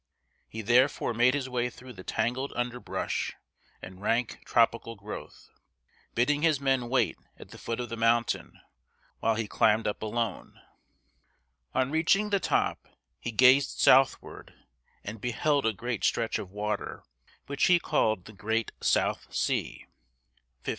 He therefore made his way through the tangled underbrush and rank tropical growth, bidding his men wait at the foot of the mountain, while he climbed up alone. [Illustration: Balboa Discovers the South Sea.] On reaching the top, he gazed southward and beheld a great stretch of water, which he called the Great South Sea (1513).